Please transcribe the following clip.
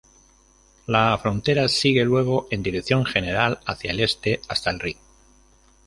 La frontera sigue luego en dirección general hacia el este, hasta el Rin.